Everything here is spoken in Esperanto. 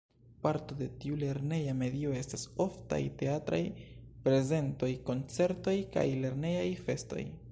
Parto de tiu lerneja medio estas oftaj teatraj prezentoj, koncertoj kaj lernejaj festoj.